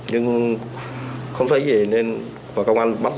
nhưng không thấy gì nên và công an bắt